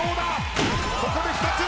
ここで２つ！